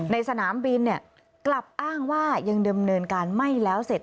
สนามบินกลับอ้างว่ายังเดิมเนินการไม่แล้วเสร็จ